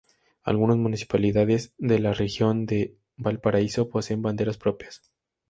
Algunas municipalidades de la Región de Valparaíso poseen banderas propias.